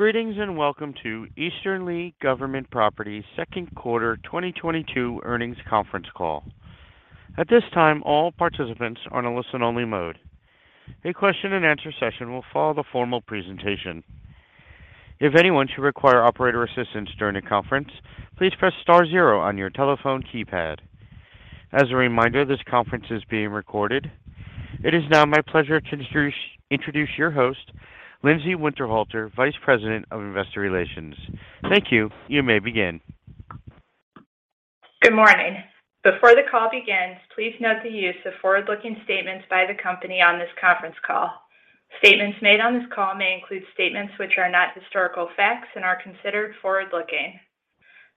Greetings and welcome to Easterly Government Properties second quarter 2022 earnings conference call. At this time, all participants are on a listen-only mode. A question and answer session will follow the formal presentation. If anyone should require operator assistance during the conference, please press star zero on your telephone keypad. As a reminder, this conference is being recorded. It is now my pleasure to introduce your host, Lindsay Winterhalter, Vice President of Investor Relations. Thank you. You may begin. Good morning. Before the call begins, please note the use of forward-looking statements by the company on this conference call. Statements made on this call may include statements which are not historical facts and are considered forward-looking.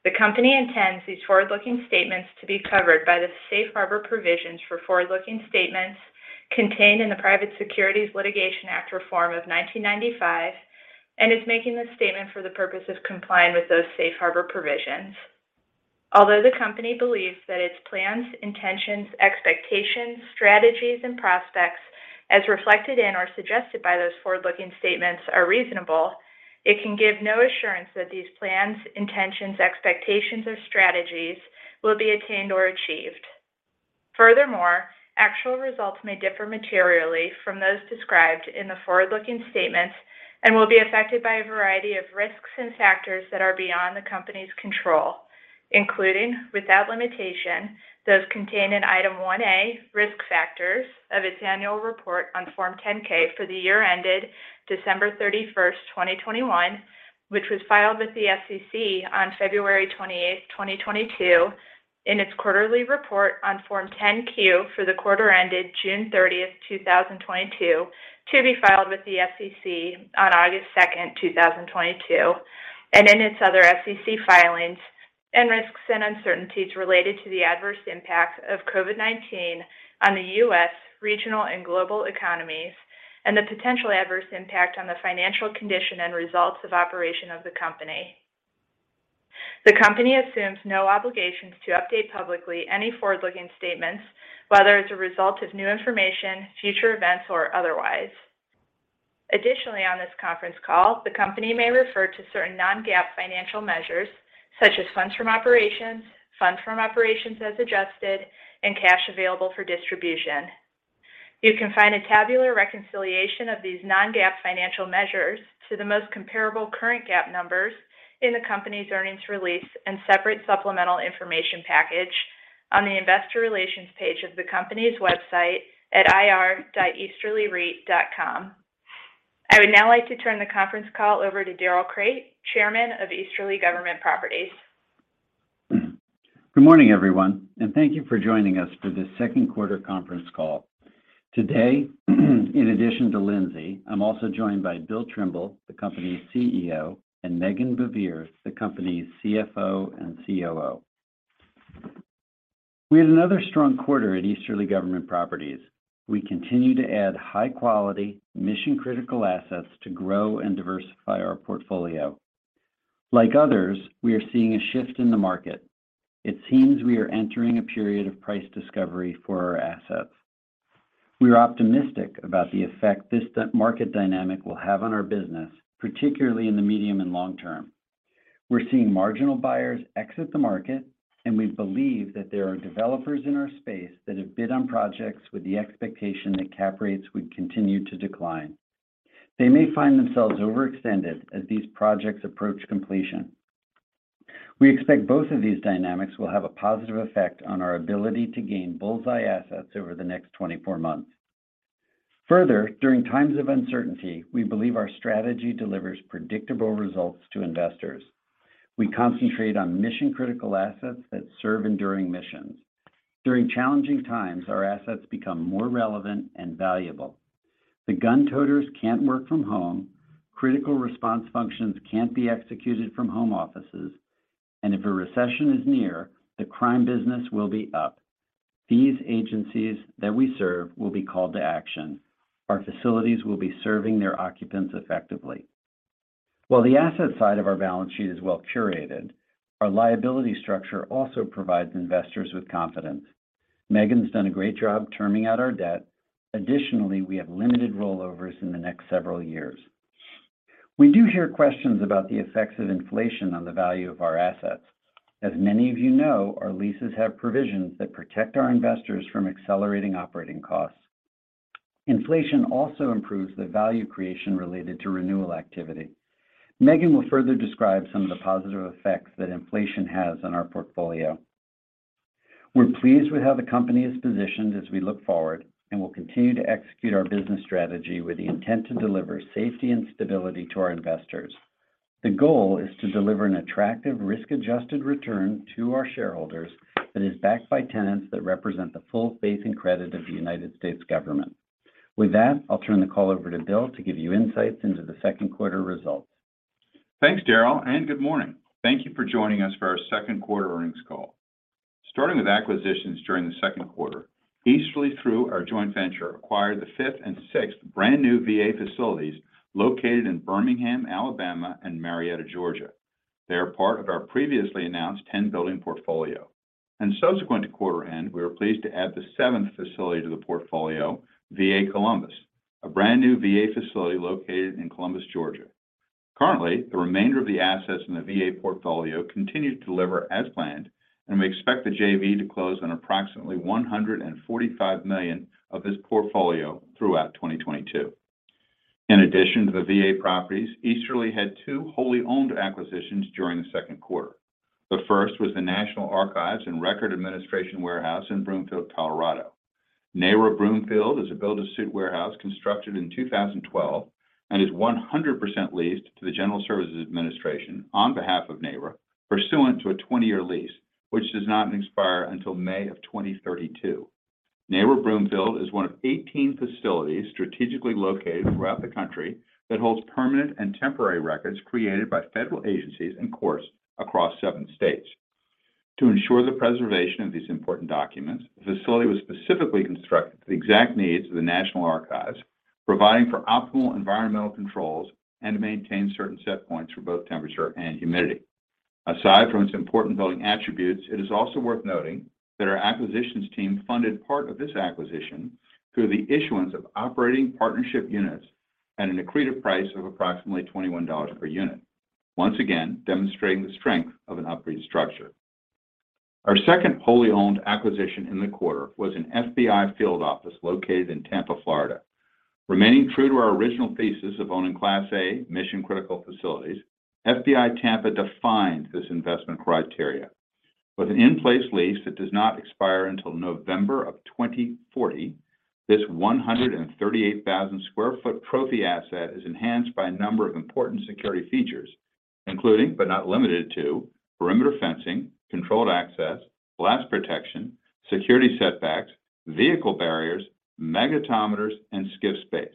The company intends these forward-looking statements to be covered by the Safe Harbor Provisions for Forward-Looking Statements contained in the Private Securities Litigation Reform Act of 1995 and is making this statement for the purpose of complying with those Safe Harbor Provisions. Although the company believes that its plans, intentions, expectations, strategies, and prospects as reflected in or suggested by those forward-looking statements are reasonable, it can give no assurance that these plans, intentions, expectations, or strategies will be attained or achieved. Furthermore, actual results may differ materially from those described in the forward-looking statements and will be affected by a variety of risks and factors that are beyond the company's control, including, without limitation, those contained in Item 1A, Risk Factors of its annual report on Form 10-K for the year ended December 31st, 2021, which was filed with the SEC on February 28th, 2022, in its quarterly report on Form 10-Q for the quarter ended June 30th, 2022, to be filed with the SEC on August 2nd, 2022, and in its other SEC filings, and risks and uncertainties related to the adverse impact of COVID-19 on the U.S. regional and global economies, and the potential adverse impact on the financial condition and results of operation of the company. The company assumes no obligations to update publicly any forward-looking statements, whether as a result of new information, future events, or otherwise. Additionally, on this conference call, the company may refer to certain non-GAAP financial measures such as funds from operations, funds from operations as adjusted, and cash available for distribution. You can find a tabular reconciliation of these non-GAAP financial measures to the most comparable current GAAP numbers in the company's earnings release and separate supplemental information package on the investor relations page of the company's website at ir.easterlyreit.com. I would now like to turn the conference call over to Darrell Crate, Chairman of Easterly Government Properties. Good morning, everyone, and thank you for joining us for this second quarter conference call. Today, in addition to Lindsay, I'm also joined by Bill Trimble, the company's CEO, and Meghan Baivier, the company's CFO and COO. We had another strong quarter at Easterly Government Properties. We continue to add high quality, mission-critical assets to grow and diversify our portfolio. Like others, we are seeing a shift in the market. It seems we are entering a period of price discovery for our assets. We are optimistic about the effect this market dynamic will have on our business, particularly in the medium and long term. We're seeing marginal buyers exit the market, and we believe that there are developers in our space that have bid on projects with the expectation that cap rates would continue to decline. They may find themselves overextended as these projects approach completion. We expect both of these dynamics will have a positive effect on our ability to gain bull's-eye assets over the next 24 months. Further, during times of uncertainty, we believe our strategy delivers predictable results to investors. We concentrate on mission-critical assets that serve enduring missions. During challenging times, our assets become more relevant and valuable. The gun toters can't work from home, critical response functions can't be executed from home offices, and if a recession is near, the crime business will be up. These agencies that we serve will be called to action. Our facilities will be serving their occupants effectively. While the asset side of our balance sheet is well curated, our liability structure also provides investors with confidence. Meghan's done a great job terming out our debt. Additionally, we have limited rollovers in the next several years. We do hear questions about the effects of inflation on the value of our assets. As many of you know, our leases have provisions that protect our investors from accelerating operating costs. Inflation also improves the value creation related to renewal activity. Meghan will further describe some of the positive effects that inflation has on our portfolio. We're pleased with how the company is positioned as we look forward, and we'll continue to execute our business strategy with the intent to deliver safety and stability to our investors. The goal is to deliver an attractive risk-adjusted return to our shareholders that is backed by tenants that represent the full faith and credit of the United States government. With that, I'll turn the call over to Bill to give you insights into the second quarter results. Thanks, Darrell, and good morning. Thank you for joining us for our second quarter earnings call. Starting with acquisitions during the second quarter, Easterly through our joint venture acquired the fifth and sixth brand new VA facilities located in Birmingham, Alabama and Marietta, Georgia. They are part of our previously announced 10-building portfolio. Subsequent to quarter end, we were pleased to add the seventh facility to the portfolio, VA Columbus, a brand new VA facility located in Columbus, Georgia. Currently, the remainder of the assets in the VA portfolio continue to deliver as planned, and we expect the JV to close on approximately $145 million of this portfolio throughout 2022. In addition to the VA properties, Easterly had two wholly owned acquisitions during the second quarter. The first was the National Archives and Records Administration Warehouse in Broomfield, Colorado. NARA Broomfield is a build-to-suit warehouse constructed in 2012 and is 100% leased to the General Services Administration on behalf of NARA pursuant to a 20-year lease, which does not expire until May 2032. NARA Broomfield is one of 18 facilities strategically located throughout the country that holds permanent and temporary records created by federal agencies and courts across seven states. To ensure the preservation of these important documents, the facility was specifically constructed to the exact needs of the National Archives, providing for optimal environmental controls and to maintain certain set points for both temperature and humidity. Aside from its important building attributes, it is also worth noting that our acquisitions team funded part of this acquisition through the issuance of operating partnership units at an accretive price of approximately $21 per unit. Once again, demonstrating the strength of an operating structure. Our second wholly owned acquisition in the quarter was an FBI field office located in Tampa, Florida. Remaining true to our original thesis of owning Class A mission-critical facilities, FBI Tampa defined this investment criteria. With an in-place lease that does not expire until November 2040, this 138,000 sq ft trophy asset is enhanced by a number of important security features, including, but not limited to perimeter fencing, controlled access, blast protection, security setbacks, vehicle barriers, magnetometers, and skid space.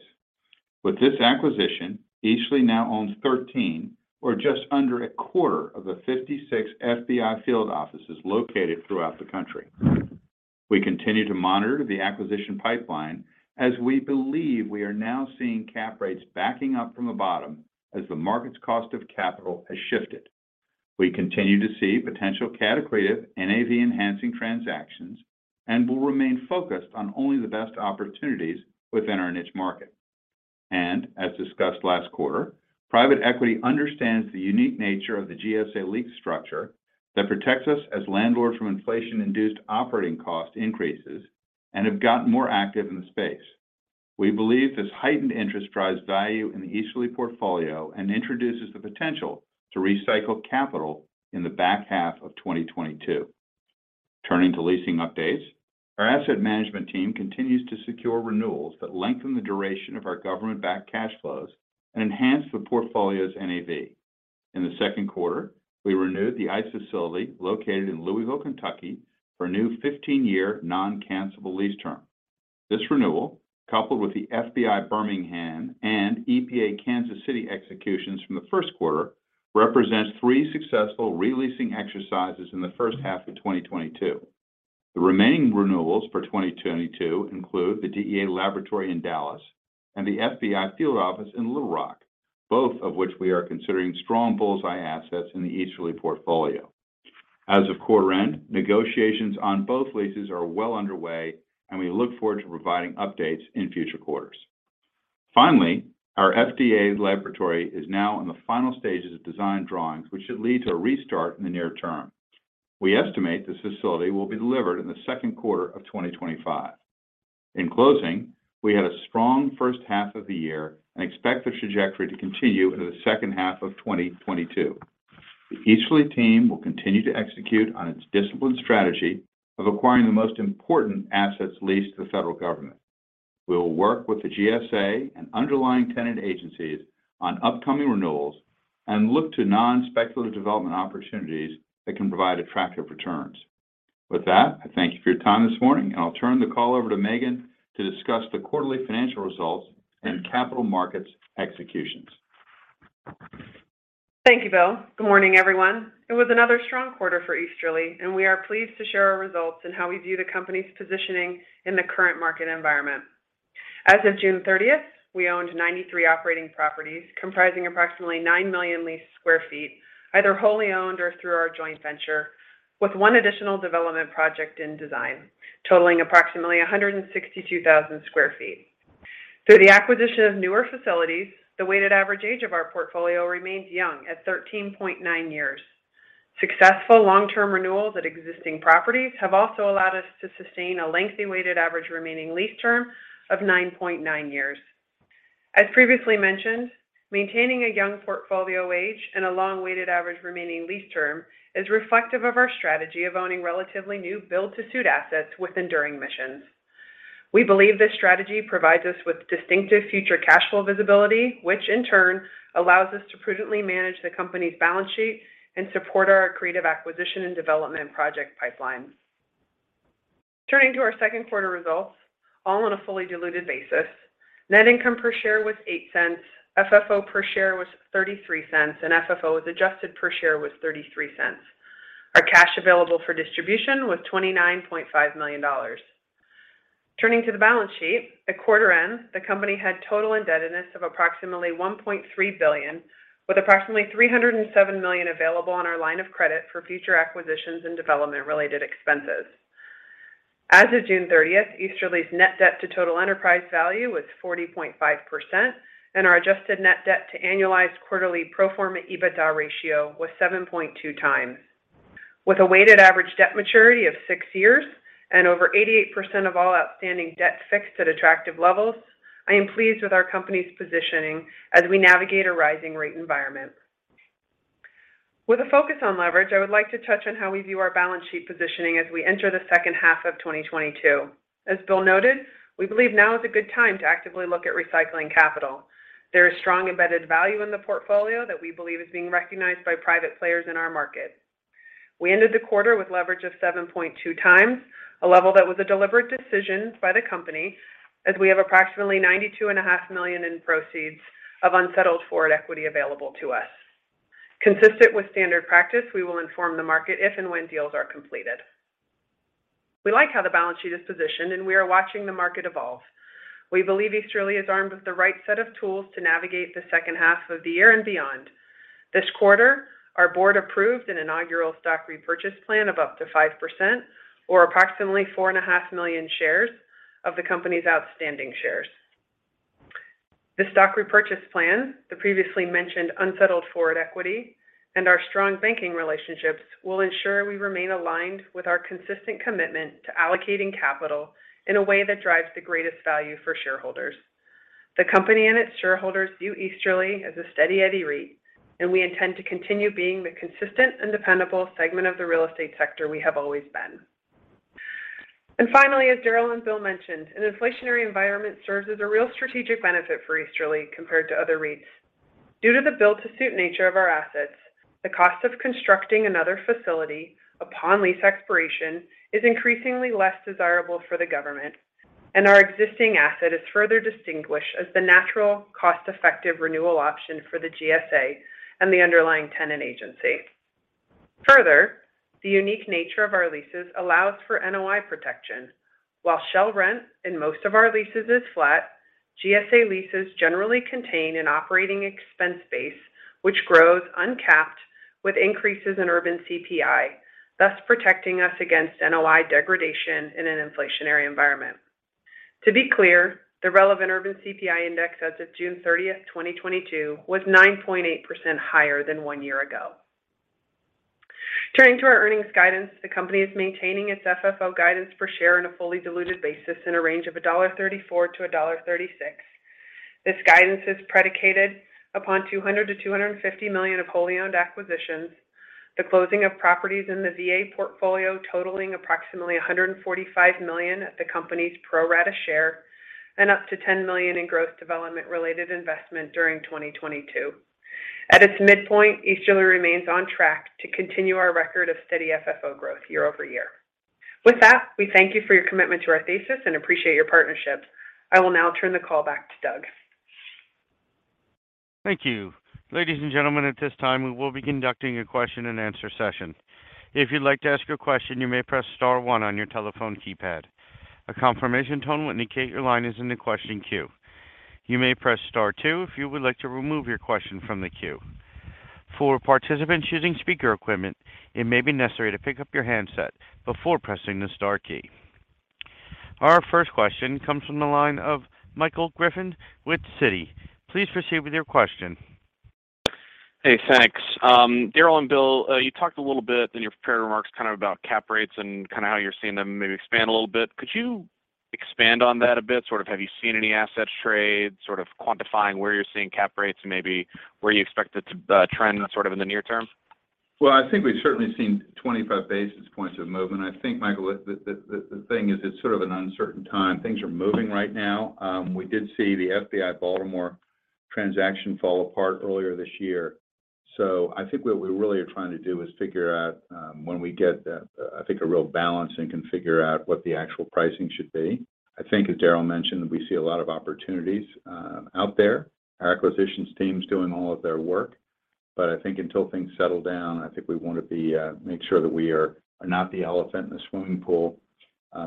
With this acquisition, Easterly now owns 13 or just under a quarter of the 56 FBI field offices located throughout the country. We continue to monitor the acquisition pipeline as we believe we are now seeing cap rates backing up from the bottom as the market's cost of capital has shifted. We continue to see potential cap rate accretive NAV enhancing transactions and will remain focused on only the best opportunities within our niche market. As discussed last quarter, private equity understands the unique nature of the GSA lease structure that protects us as landlords from inflation-induced operating cost increases and have gotten more active in the space. We believe this heightened interest drives value in the Easterly portfolio and introduces the potential to recycle capital in the back half of 2022. Turning to leasing updates, our asset management team continues to secure renewals that lengthen the duration of our government backed cash flows and enhance the portfolio's NAV. In the second quarter, we renewed the ICE facility located in Louisville, Kentucky, for a new 15-year non-cancelable lease term. This renewal, coupled with the FBI Birmingham and EPA Kansas City executions from the first quarter, represents three successful re-leasing exercises in the first half of 2022. The remaining renewals for 2022 include the DEA laboratory in Dallas and the FBI field office in Little Rock, both of which we are considering strong bull's-eye assets in the Easterly portfolio. As of quarter end, negotiations on both leases are well underway, and we look forward to providing updates in future quarters. Finally, our FDA laboratory is now in the final stages of design drawings, which should lead to a restart in the near term. We estimate this facility will be delivered in the second quarter of 2025. In closing, we had a strong first half of the year and expect the trajectory to continue into the second half of 2022. The Easterly team will continue to execute on its disciplined strategy of acquiring the most important assets leased to the federal government. We will work with the GSA and underlying tenant agencies on upcoming renewals and look to non-speculative development opportunities that can provide attractive returns. With that, I thank you for your time this morning, and I'll turn the call over to Meghan to discuss the quarterly financial results and capital markets executions. Thank you, Bill. Good morning, everyone. It was another strong quarter for Easterly, and we are pleased to share our results and how we view the company's positioning in the current market environment. As of June 30th, we owned 93 operating properties comprising approximately 9 million leased sq ft, either wholly owned or through our joint venture, with one additional development project in design totaling approximately 162,000 sq ft. Through the acquisition of newer facilities, the weighted average age of our portfolio remains young at 13.9 years. Successful long-term renewals at existing properties have also allowed us to sustain a lengthy weighted average remaining lease term of 9.9 years. As previously mentioned, maintaining a young portfolio age and a long weighted average remaining lease term is reflective of our strategy of owning relatively new build-to-suit assets with enduring missions. We believe this strategy provides us with distinctive future cash flow visibility, which in turn allows us to prudently manage the company's balance sheet and support our accretive acquisition and development project pipeline. Turning to our second quarter results, all on a fully diluted basis, net income per share was $0.08, FFO per share was $0.33, and FFO as adjusted per share was $0.33. Our cash available for distribution was $29.5 million. Turning to the balance sheet. At quarter end, the company had total indebtedness of approximately $1.3 billion, with approximately $307 million available on our line of credit for future acquisitions and development-related expenses. As of June 30th, Easterly's net debt to total enterprise value was 40.5%, and our adjusted net debt to annualized quarterly pro forma EBITDA ratio was 7.2x. With a weighted average debt maturity of six years and over 88% of all outstanding debt fixed at attractive levels, I am pleased with our company's positioning as we navigate a rising rate environment. With a focus on leverage, I would like to touch on how we view our balance sheet positioning as we enter the second half of 2022. As Bill noted, we believe now is a good time to actively look at recycling capital. There is strong embedded value in the portfolio that we believe is being recognized by private players in our market. We ended the quarter with leverage of 7.2x, a level that was a deliberate decision by the company as we have approximately $92.5 million in proceeds of unsettled forward equity available to us. Consistent with standard practice, we will inform the market if and when deals are completed. We like how the balance sheet is positioned and we are watching the market evolve. We believe Easterly is armed with the right set of tools to navigate the second half of the year and beyond. This quarter, our board approved an inaugural stock repurchase plan of up to 5% or approximately 4.5 million shares of the company's outstanding shares. The stock repurchase plan, the previously mentioned unsettled forward equity, and our strong banking relationships will ensure we remain aligned with our consistent commitment to allocating capital in a way that drives the greatest value for shareholders. The company and its shareholders view Easterly as a Steady Eddy REIT, and we intend to continue being the consistent and dependable segment of the real estate sector we have always been. Finally, as Darrell and Bill mentioned, an inflationary environment serves as a real strategic benefit for Easterly compared to other REITs. Due to the build to suit nature of our assets, the cost of constructing another facility upon lease expiration is increasingly less desirable for the government, and our existing asset is further distinguished as the natural, cost-effective renewal option for the GSA and the underlying tenant agency. Further, the unique nature of our leases allows for NOI protection. While shell rent in most of our leases is flat, GSA leases generally contain an operating expense base, which grows uncapped with increases in urban CPI, thus protecting us against NOI degradation in an inflationary environment. To be clear, the relevant urban CPI index as of June 30th, 2022, was 9.8% higher than one year ago. Turning to our earnings guidance, the company is maintaining its FFO guidance per share on a fully diluted basis in a range of $1.34-$1.36. This guidance is predicated upon $200 million-$250 million of wholly owned acquisitions, the closing of properties in the VA portfolio totaling approximately $145 million at the company's pro rata share, and up to $10 million in growth development related investment during 2022. At its midpoint, Easterly remains on track to continue our record of steady FFO growth year-over-year. With that, we thank you for your commitment to our thesis and appreciate your partnership. I will now turn the call back to Doug. Thank you. Ladies and gentlemen, at this time, we will be conducting a question and answer session. If you'd like to ask a question, you may press star one on your telephone keypad. A confirmation tone will indicate your line is in the question queue. You may press star two if you would like to remove your question from the queue. For participants using speaker equipment, it may be necessary to pick up your handset before pressing the star key. Our first question comes from the line of Michael Griffin with Citi. Please proceed with your question. Hey, thanks. Darrell and Bill, you talked a little bit in your prepared remarks kind of about cap rates and kind of how you're seeing them maybe expand a little bit. Could you expand on that a bit? Sort of have you seen any asset trades sort of quantifying where you're seeing cap rates and maybe where you expect it to trend sort of in the near term? Well, I think we've certainly seen 25 basis points of movement. I think, Michael, the thing is, it's sort of an uncertain time. Things are moving right now. We did see the FBI Baltimore transaction fall apart earlier this year. I think what we really are trying to do is figure out when we get a real balance and can figure out what the actual pricing should be. I think as Darrell mentioned, we see a lot of opportunities out there. Our acquisitions team's doing all of their work. I think until things settle down, I think we want to make sure that we are not the elephant in the swimming pool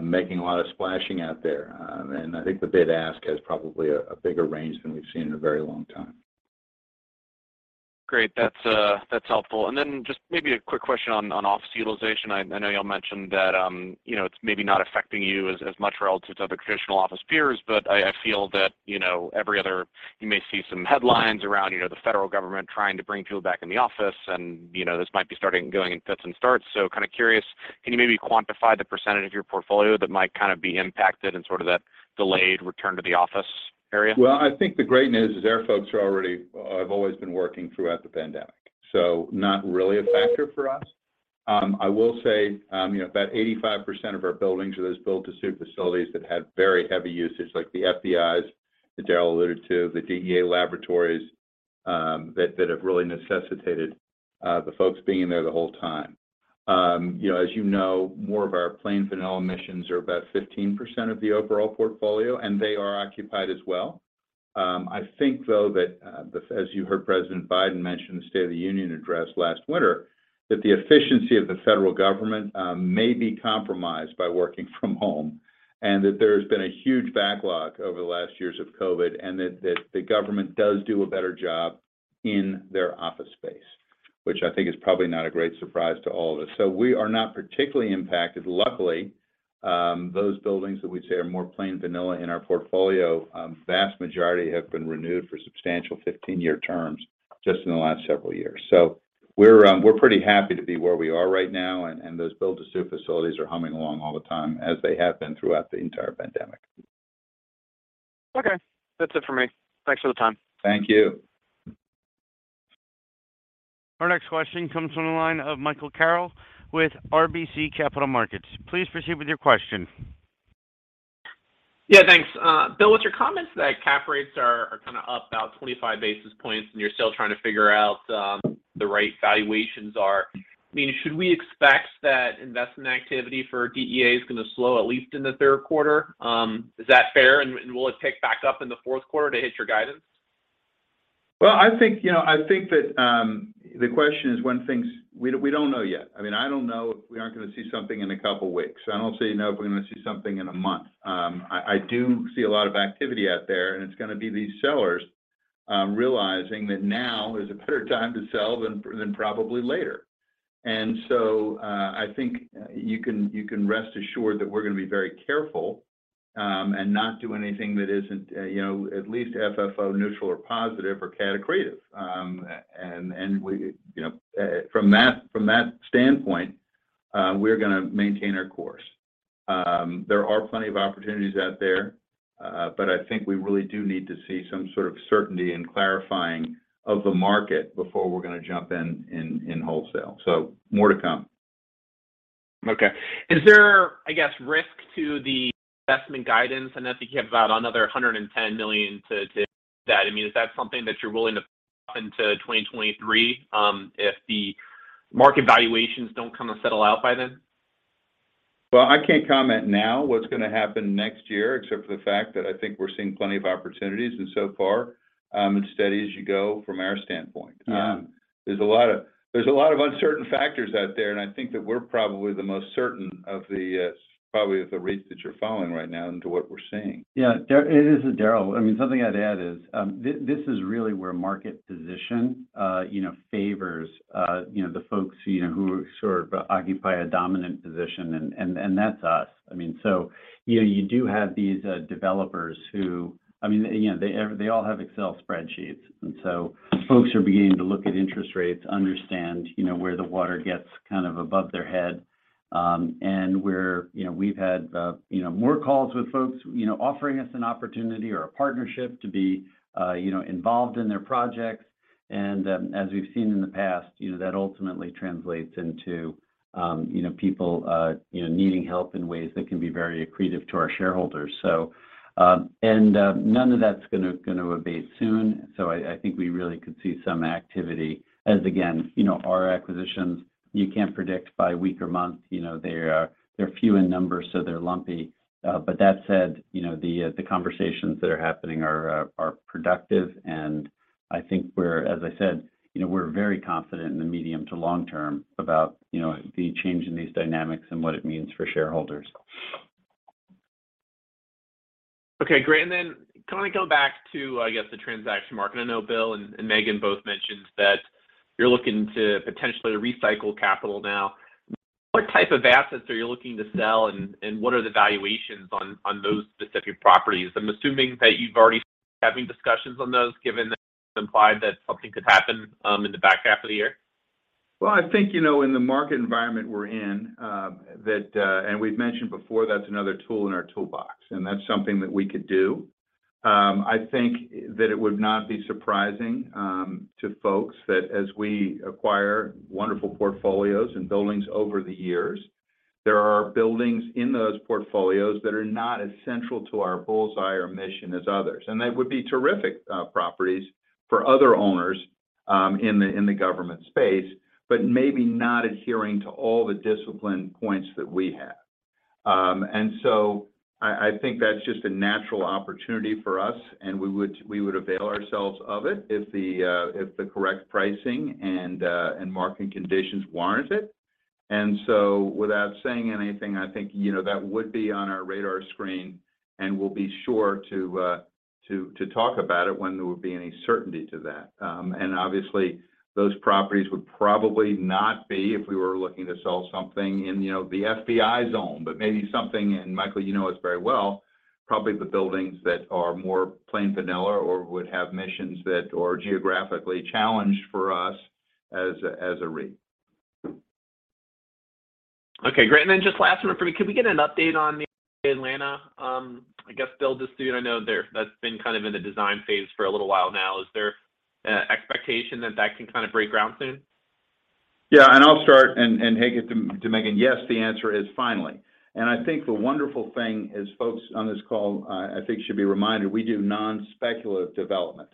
making a lot of splashing out there. I think the bid ask has probably a bigger range than we've seen in a very long time. Great. That's helpful. Just maybe a quick question on office utilization. I know y'all mentioned that, you know, it's maybe not affecting you as much relative to other traditional office peers, but I feel that, you know, you may see some headlines around, you know, the federal government trying to bring people back in the office and, you know, this might be starting going in fits and starts. Kind of curious, can you maybe quantify the percentage of your portfolio that might kind of be impacted in sort of that delayed return to the office area? Well, I think the great news is our folks have always been working throughout the pandemic, so not really a factor for us. I will say, you know, about 85% of our buildings are those build to suit facilities that had very heavy usage, like the FBIs that Darrell alluded to, the DEA laboratories, that have really necessitated the folks being in there the whole time. You know, as you know, more of our plain vanilla missions are about 15% of the overall portfolio, and they are occupied as well. I think though that, as you heard President Biden mention in the State of the Union address last winter, that the efficiency of the federal government may be compromised by working from home, and that there has been a huge backlog over the last years of COVID, and that the government does do a better job in their office space, which I think is probably not a great surprise to all of us. We are not particularly impacted. Luckily, those buildings that we'd say are more plain vanilla in our portfolio, vast majority have been renewed for substantial 15-year terms just in the last several years. We're pretty happy to be where we are right now, and those build-to-suit facilities are humming along all the time as they have been throughout the entire pandemic. Okay. That's it for me. Thanks for the time. Thank you. Our next question comes from the line of Michael Carroll with RBC Capital Markets. Please proceed with your question. Yeah, thanks. Bill, with your comments that cap rates are kind of up about 25 basis points and you're still trying to figure out the right valuations, I mean, should we expect that investment activity for DEA is gonna slow at least in the third quarter? Is that fair? Will it pick back up in the fourth quarter to hit your guidance? Well, I think, you know, I think that the question is when things. We don't know yet. I mean, I don't know if we aren't gonna see something in a couple of weeks. I don't necessarily know if we're gonna see something in a month. I do see a lot of activity out there, and it's gonna be these sellers realizing that now is a better time to sell than probably later. I think you can rest assured that we're gonna be very careful and not do anything that isn't, you know, at least FFO neutral or positive or cap rate accretive. And we, you know, from that standpoint, we're gonna maintain our course. There are plenty of opportunities out there, but I think we really do need to see some sort of certainty and clarification of the market before we're gonna jump in wholesale. More to come. Okay. Is there, I guess, risk to the investment guidance? I know I think you have about another $110 million to that. I mean, is that something that you're willing to take into 2023 if the market valuations don't kind of settle out by then? Well, I can't comment now what's gonna happen next year except for the fact that I think we're seeing plenty of opportunities. So far, it's steady as you go from our standpoint. Yeah. There's a lot of uncertain factors out there, and I think that we're probably the most certain of the rates that you're following right now into what we're seeing. Yeah. It is, Darrell. I mean, something I'd add is, this is really where market position, you know, favors, you know, the folks, you know, who sort of occupy a dominant position, and that's us. I mean, you do have these developers who I mean, you know, they all have Excel spreadsheets, and so folks are beginning to look at interest rates, understand, you know, where the water gets kind of above their head. You know, we've had, you know, more calls with folks, you know, offering us an opportunity or a partnership to be, you know, involved in their projects. As we've seen in the past, you know, that ultimately translates into, you know, people, you know, needing help in ways that can be very accretive to our shareholders. None of that's gonna abate soon, so I think we really could see some activity as, again, you know, our acquisitions, you can't predict by week or month. You know, they're few in numbers, so they're lumpy. But that said, you know, the conversations that are happening are productive, and I think we're. As I said, you know, we're very confident in the medium to long term about, you know, the change in these dynamics and what it means for shareholders. Okay, great. Can I go back to, I guess, the transaction market? I know Bill and Meghan both mentioned that you're looking to potentially recycle capital now. What type of assets are you looking to sell, and what are the valuations on those specific properties? I'm assuming that you've already having discussions on those, given that you implied that something could happen in the back half of the year. Well, I think, you know, in the market environment we're in, that and we've mentioned before, that's another tool in our toolbox, and that's something that we could do. I think that it would not be surprising to folks that as we acquire wonderful portfolios and buildings over the years, there are buildings in those portfolios that are not as central to our bull's-eye or mission as others. They would be terrific properties for other owners in the government space, but maybe not adhering to all the discipline points that we have. I think that's just a natural opportunity for us, and we would avail ourselves of it if the correct pricing and market conditions warrants it. Without saying anything, I think, you know, that would be on our radar screen, and we'll be sure to talk about it when there would be any certainty to that. Obviously, those properties would probably not be if we were looking to sell something in, you know, the FBI zone, but maybe something in, Michael, you know this very well, probably the buildings that are more plain vanilla or would have missions that are geographically challenged for us as a REIT. Okay, great. Just last one for me. Could we get an update on the Atlanta, I guess, build to suit? I know that's been kind of in the design phase for a little while now. Is there a expectation that that can kind of break ground soon? Yeah. I'll start and hand it to Meghan. Yes, the answer is finally. I think the wonderful thing is folks on this call should be reminded, we do non-speculative development.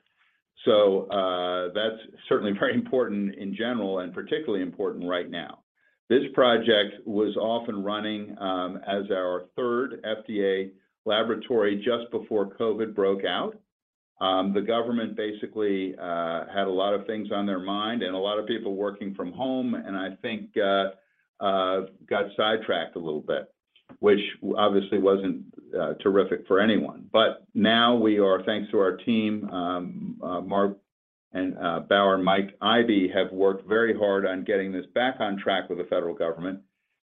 That's certainly very important in general and particularly important right now. This project was off and running as our third FDA laboratory just before COVID broke out. The government basically had a lot of things on their mind and a lot of people working from home, and I think got sidetracked a little bit, which obviously wasn't terrific for anyone. Now we are, thanks to our team, Mark Bauer, Michael Ibe, have worked very hard on getting this back on track with the federal government.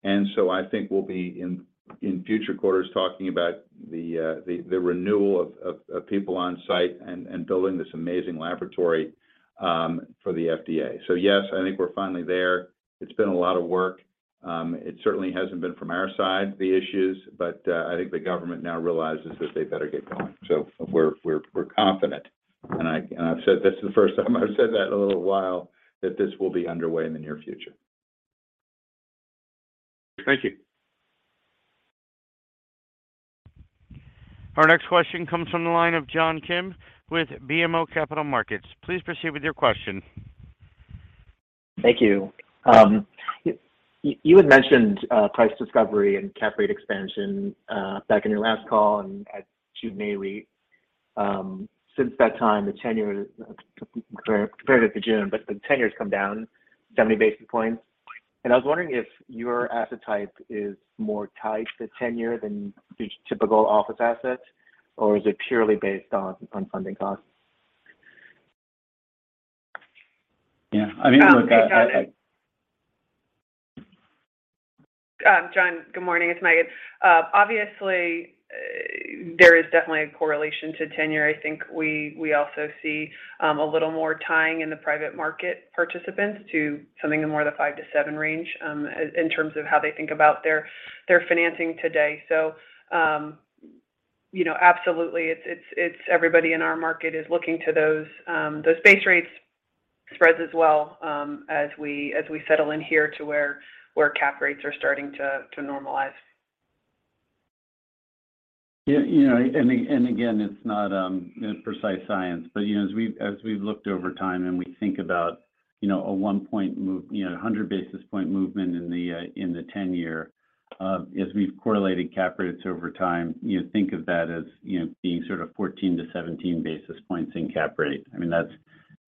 I think we'll be in future quarters talking about the renewal of people on site and building this amazing laboratory for the FDA. Yes, I think we're finally there. It's been a lot of work. It certainly hasn't been from our side, the issues, but I think the government now realizes that they better get going. We're confident, and I've said this is the first time I've said that in a little while, that this will be underway in the near future. Thank you. Our next question comes from the line of John Kim with BMO Capital Markets. Please proceed with your question. Thank you. You had mentioned price discovery and cap rate expansion back in your last call and at the June Nareit. Since that time, the 10-year compared to June, but the 10-year's come down 70 basis points. I was wondering if your asset type is more tied to 10-year than the typical office assets, or is it purely based on funding costs? Yeah. I mean, look. John, good morning. It's Meghan. Obviously, there is definitely a correlation to tenure. I think we also see a little more tying in the private market participants to something more in the 5-7 range, in terms of how they think about their financing today. You know, absolutely, it's everybody in our market is looking to those base rates and spreads as well, as we settle in here to where cap rates are starting to normalize. Yeah. You know, and again, it's not precise science, but you know, as we've looked over time and we think about you know, a 1-point move you know, a 100 basis point movement in the 10-year as we've correlated cap rates over time, you think of that as you know, being sort of 14-17 basis points in cap rate. I mean, that's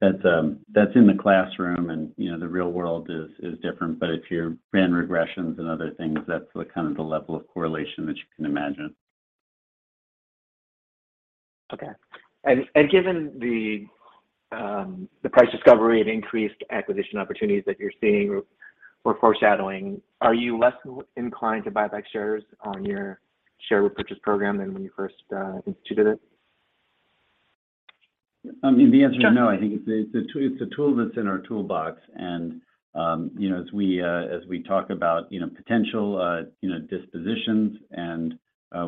in the classroom and you know, the real world is different. If you ran regressions and other things, that's the kind of level of correlation that you can imagine. Given the price discovery and increased acquisition opportunities that you're seeing or foreshadowing, are you less inclined to buy back shares on your share repurchase program than when you first instituted it? I mean, the answer is no. I think it's a tool that's in our toolbox. You know, as we talk about you know potential you know dispositions and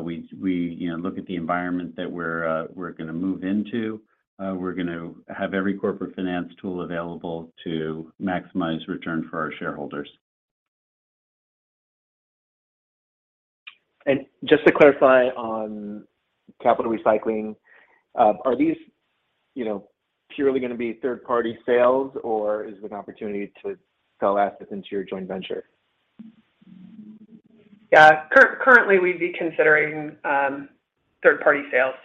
we you know look at the environment that we're gonna move into, we're gonna have every corporate finance tool available to maximize return for our shareholders. Just to clarify on capital recycling, are these, you know, purely gonna be third-party sales or is it an opportunity to sell assets into your joint venture? Yeah. Currently, we'd be considering third-party sales.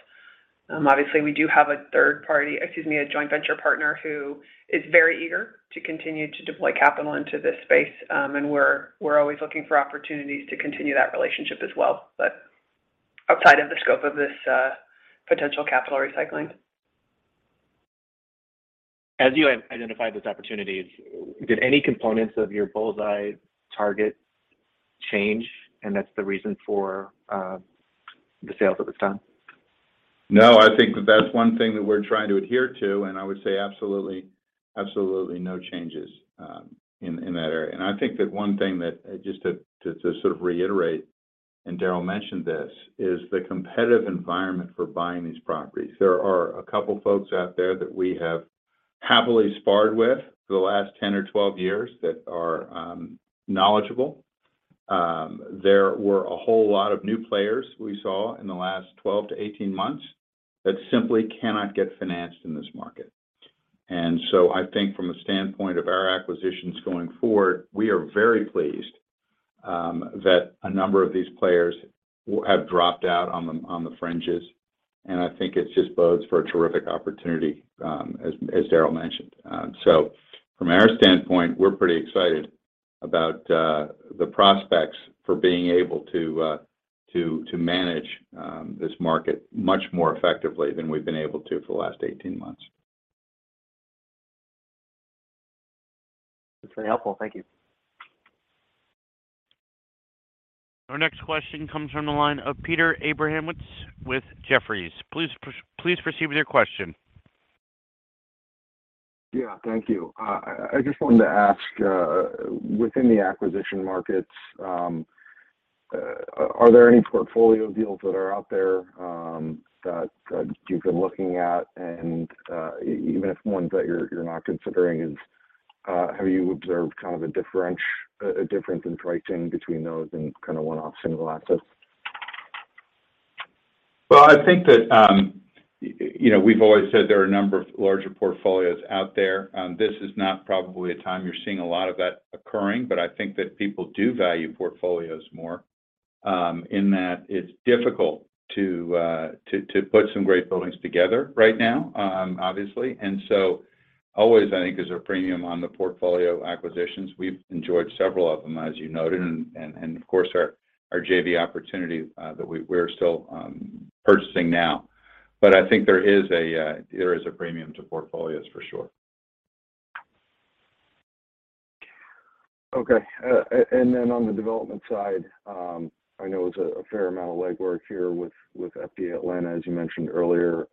Obviously we do have a third party, excuse me, a joint venture partner who is very eager to continue to deploy capital into this space. We're always looking for opportunities to continue that relationship as well. Outside of the scope of this potential capital recycling. As you have identified those opportunities, did any components of your bull's eye target change, and that's the reason for the sales at this time? No, I think that's one thing that we're trying to adhere to, and I would say absolutely no changes in that area. I think that one thing, just to sort of reiterate, and Darrell mentioned this, is the competitive environment for buying these properties. There are a couple folks out there that we have happily sparred with for the last 10 years or 12 years that are knowledgeable. There were a whole lot of new players we saw in the last 12 months-18 months that simply cannot get financed in this market. I think from the standpoint of our acquisitions going forward, we are very pleased that a number of these players have dropped out on the fringes, and I think it just bodes for a terrific opportunity, as Darrell mentioned. From our standpoint, we're pretty excited about the prospects for being able to manage this market much more effectively than we've been able to for the last 18 months. That's very helpful. Thank you. Our next question comes from the line of Peter Abramowitz with Jefferies. Please proceed with your question. Yeah, thank you. I just wanted to ask, within the acquisition markets, are there any portfolio deals that are out there, that you've been looking at? Even if ones that you're not considering is, have you observed kind of a difference in pricing between those and kind of one-off single assets? Well, I think that, you know, we've always said there are a number of larger portfolios out there. This is probably not a time you're seeing a lot of that occurring. I think that people do value portfolios more, in that it's difficult to put some great buildings together right now, obviously. Always I think there's a premium on the portfolio acquisitions. We've enjoyed several of them, as you noted, and of course our JV opportunity that we're still purchasing now. I think there is a premium to portfolios for sure. Okay. On the development side, I know it's a fair amount of legwork here with FDA Atlanta, as you mentioned earlier.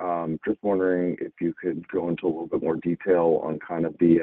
Just wondering if you could go into a little bit more detail on kind of the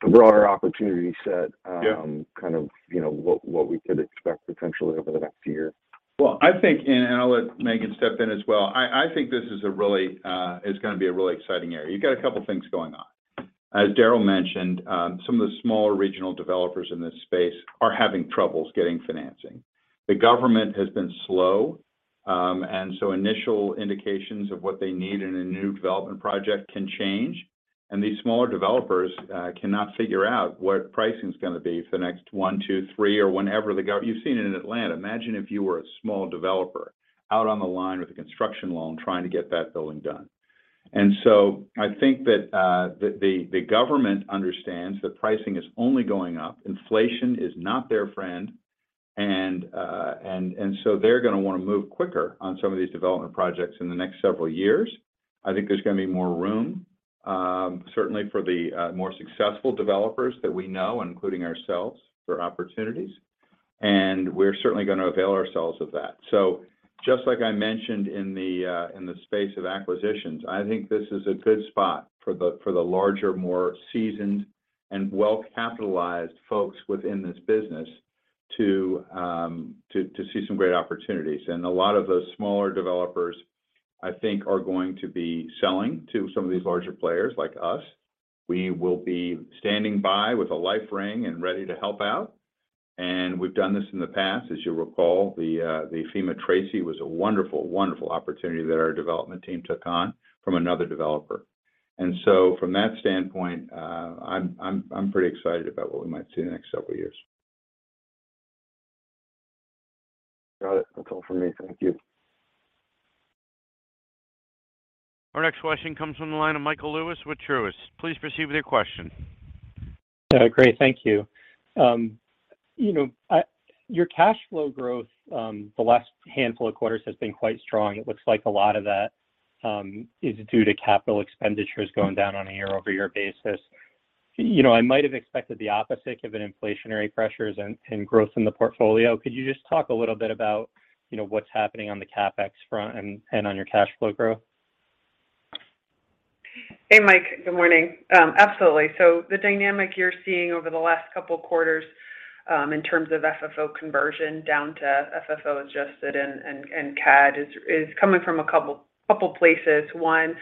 broader opportunity set. Yeah kind of, you know, what we could expect potentially over the next year. Well, I think and I'll let Meghan step in as well. I think this is really gonna be a really exciting area. You got a couple things going on. As Darrell mentioned, some of the smaller regional developers in this space are having troubles getting financing. The government has been slow, and so initial indications of what they need in a new development project can change. These smaller developers cannot figure out what pricing's gonna be for the next one to two, three or whenever. You've seen it in Atlanta. Imagine if you were a small developer out on the line with a construction loan trying to get that building done. I think that the government understands that pricing is only going up. Inflation is not their friend, and so they're gonna wanna move quicker on some of these development projects in the next several years. I think there's gonna be more room, certainly for the more successful developers that we know, including ourselves, for opportunities, and we're certainly gonna avail ourselves of that. Just like I mentioned in the space of acquisitions, I think this is a good spot for the larger, more seasoned and well-capitalized folks within this business to see some great opportunities. A lot of those smaller developers I think are going to be selling to some of these larger players like us. We will be standing by with a life ring and ready to help out, and we've done this in the past. As you'll recall, the FEMA Tracy was a wonderful opportunity that our development team took on from another developer. From that standpoint, I'm pretty excited about what we might see in the next several years. Got it. That's all for me. Thank you. Our next question comes from the line of Michael Lewis with Truist. Please proceed with your question. Great, thank you. You know, your cash flow growth, the last handful of quarters has been quite strong. It looks like a lot of that is due to capital expenditures going down on a year-over-year basis. You know, I might have expected the opposite given inflationary pressures and growth in the portfolio. Could you just talk a little bit about, you know, what's happening on the CapEx front and on your cash flow growth? Hey, Mike. Good morning. Absolutely. The dynamic you're seeing over the last couple quarters, in terms of FFO conversion down to FFO adjusted and CAD is coming from a couple places. One,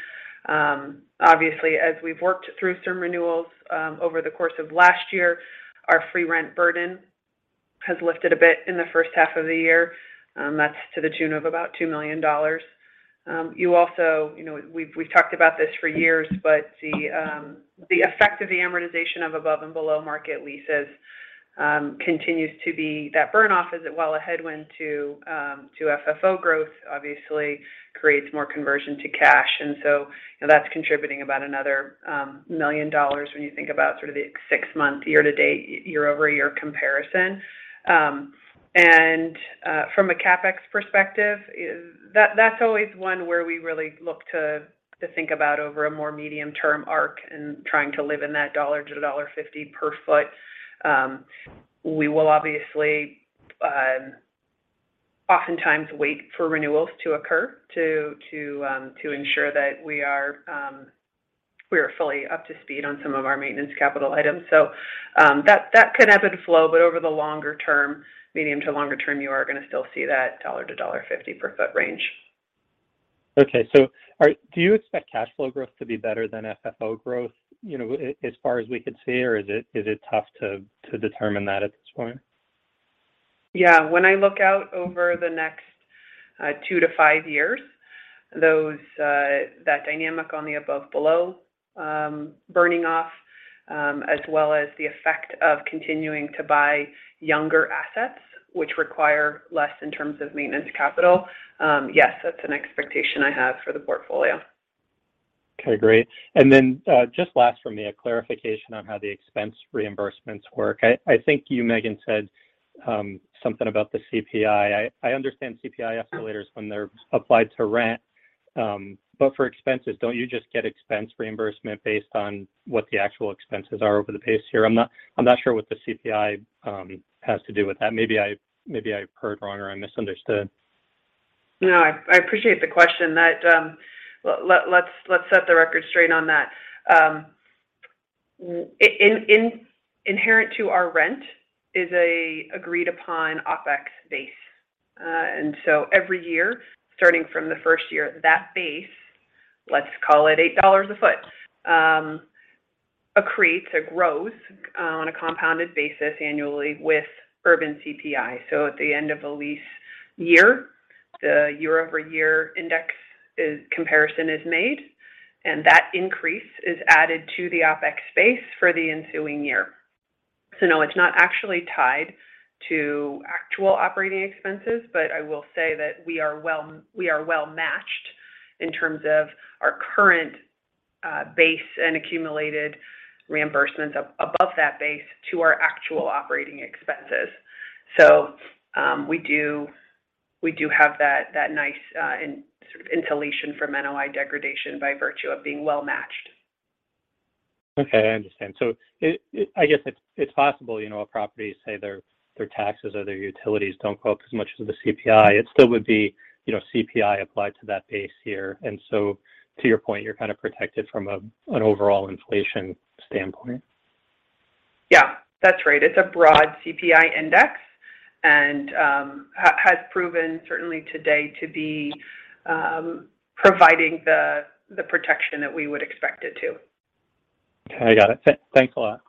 obviously, as we've worked through some renewals, over the course of last year, our free rent burden has lifted a bit in the first half of the year. That's to the tune of about $2 million. You also, you know, we've talked about this for years, but the effect of the amortization of above and below market leases continues to be that burn off is, while a headwind to FFO growth, obviously creates more conversion to cash. You know, that's contributing about another $1 million when you think about sort of the six-month year to date, year-over-year comparison. From a CapEx perspective, that's always one where we really look to think about over a more medium term arc and trying to live in that $1-$1.50 per foot. We will obviously oftentimes wait for renewals to occur to ensure that we are fully up to speed on some of our maintenance capital items. That can ebb and flow, but over the longer term, medium to longer term, you are gonna still see that $1-$1.50 per foot range. Okay. Do you expect cash flow growth to be better than FFO growth, you know, as far as we could see, or is it tough to determine that at this point? Yeah. When I look out over the next two to five years, that dynamic on the above/below burning off, as well as the effect of continuing to buy younger assets, which require less in terms of maintenance capital, yes, that's an expectation I have for the portfolio. Okay. Great. Just last from me, a clarification on how the expense reimbursements work. I think you, Meghan, said something about the CPI. I understand CPI escalators when they're applied to rent, but for expenses, don't you just get expense reimbursement based on what the actual expenses are over the place here? I'm not sure what the CPI has to do with that. Maybe I heard wrong or I misunderstood. No. I appreciate the question. Let's set the record straight on that. Inherent to our rent is an agreed upon OpEx base. Every year, starting from the first year, that base, let's call it $8 a foot, accretes or grows on a compounded basis annually with urban CPI. At the end of the lease year, the year-over-year index comparison is made, and that increase is added to the OpEx base for the ensuing year. No, it's not actually tied to actual operating expenses, but I will say that we are well matched in terms of our current base and accumulated reimbursements above that base to our actual operating expenses. We do have that nice sort of insulation from NOI degradation by virtue of being well matched. Okay, I understand. I guess it's possible, you know, a property say their taxes or their utilities don't go up as much as the CPI. It still would be, you know, CPI applied to that base year. To your point, you're kind of protected from an overall inflation standpoint. Yeah, that's right. It's a broad CPI index and has proven certainly today to be providing the protection that we would expect it to. Okay. Got it. Thanks a lot.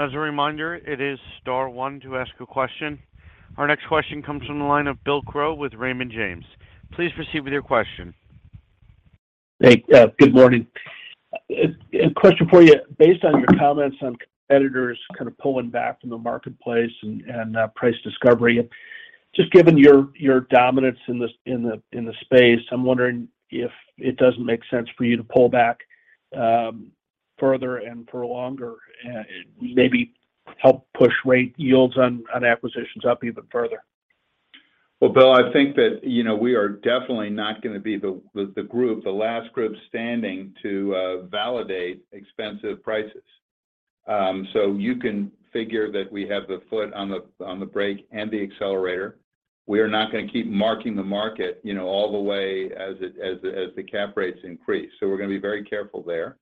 As a reminder, it is star one to ask a question. Our next question comes from the line of Bill Crow with Raymond James. Please proceed with your question. Hey, good morning. A question for you. Based on your comments on competitors kind of pulling back from the marketplace and price discovery, just given your dominance in the space, I'm wondering if it doesn't make sense for you to pull back further and for longer, maybe help push rate yields on acquisitions up even further. Well, Bill, I think that, you know, we are definitely not gonna be the last group standing to validate expensive prices. You can figure that we have the foot on the brake and the accelerator. We are not gonna keep marking the market, you know, all the way as the cap rates increase. We're gonna be very careful there.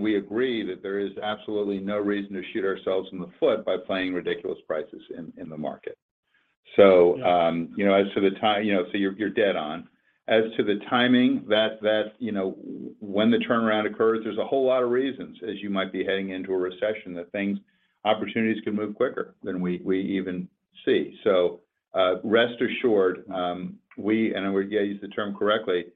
We agree that there is absolutely no reason to shoot ourselves in the foot by playing ridiculous prices in the market. Yeah. You know, so you're dead on. As to the timing, that you know, when the turnaround occurs, there's a whole lot of reasons, as you might be heading into a recession, that things, opportunities could move quicker than we even see. Rest assured, we, and I wanna use the term correctly,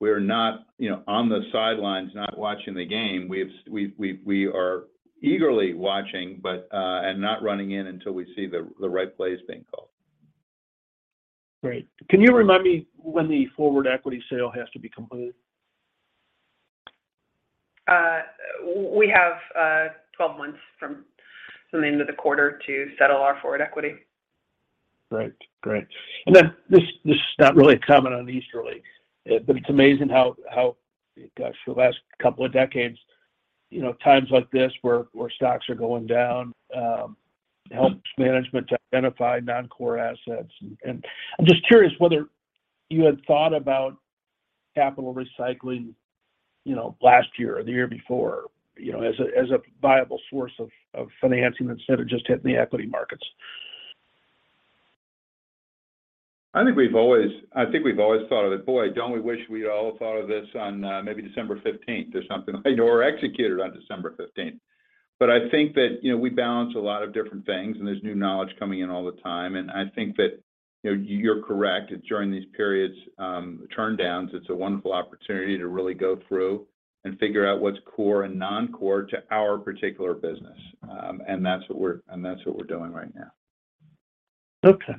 we're not, you know, on the sidelines not watching the game. We are eagerly watching, but and not running in until we see the right plays being called. Great. Can you remind me when the forward equity sale has to be completed? We have 12 months from the end of the quarter to settle our forward equity. Great. Great. Then this is not really a comment on Easterly, but it's amazing how, gosh, the last couple of decades, you know, times like this where stocks are going down helps management to identify non-core assets. I'm just curious whether you had thought about capital recycling, you know, last year or the year before, you know, as a viable source of financing instead of just hitting the equity markets. I think we've always thought of it. Boy, don't we wish we all thought of this on, maybe December 15th or something, or executed on December 15th. I think that, you know, we balance a lot of different things, and there's new knowledge coming in all the time. I think that, you know, you're correct. During these periods, turndowns, it's a wonderful opportunity to really go through and figure out what's core and non-core to our particular business. That's what we're doing right now. Okay.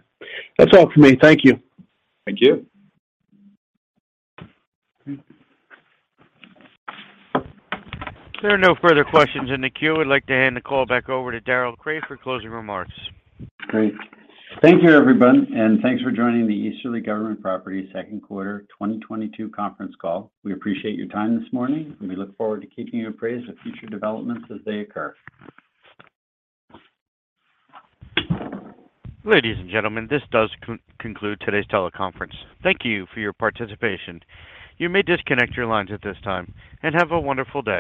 That's all for me. Thank you. Thank you. There are no further questions in the queue. I'd like to hand the call back over to Darrell Crate for closing remarks. Great. Thank you, everyone, and thanks for joining the Easterly Government Properties second quarter 2022 conference call. We appreciate your time this morning, and we look forward to keeping you appraised of future developments as they occur. Ladies and gentlemen, this does conclude today's teleconference. Thank you for your participation. You may disconnect your lines at this time, and have a wonderful day.